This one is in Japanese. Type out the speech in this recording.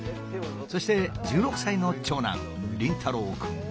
そして１６歳の長男凛太郎くん。